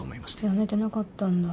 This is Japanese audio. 辞めてなかったんだ。